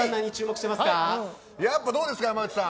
どやっぱどうですか、山内さん。